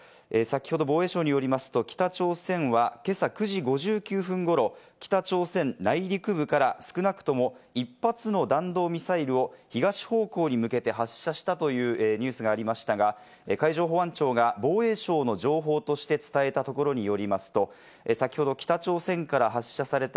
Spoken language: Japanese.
先ほど防衛省によりますと、北朝鮮は今朝９時５９分ごろ、北朝鮮内陸部から少なくとも１発の弾道ミサイルを東方向に向けて発射したというニュースがありましたが、海上保安庁が防衛省の情報として伝えたところによりますと、先ほど北朝鮮から発射された、